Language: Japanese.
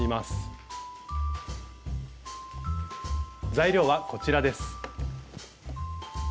材料はこちらです。